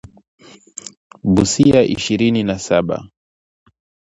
Busia ishirini na saba